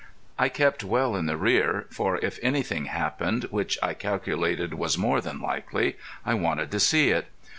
I kept well in the rear, for if anything happened, which I calculated was more than likely, I wanted to see it.